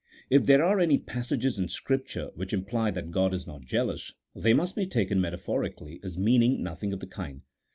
If there are any passages in Scripture which imply that God is not jealous, they must be taken metaphorically as meaning nothing of the kind.